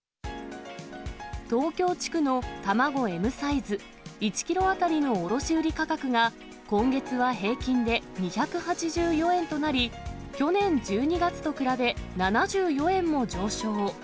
東京地区の卵Ｍサイズ１キロ当たりの卸売り価格が、今月は平均で２８４円となり、去年１２月と比べ７４円も上昇。